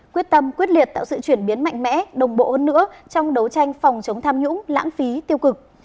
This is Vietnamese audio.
quyết tâm quyết liệt tạo sự chuyển biến mạnh mẽ đồng bộ hơn nữa trong đấu tranh phòng chống tham nhũng lãng phí tiêu cực